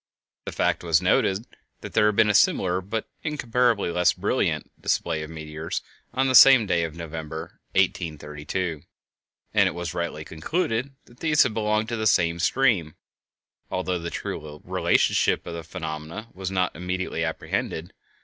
The fact was noted that there had been a similar, but incomparably less brilliant, display of meteors on the same day of November, 1832, and it was rightly concluded that these had belonged to the same stream, although the true relationship of the phenomena was not immediately apprehended.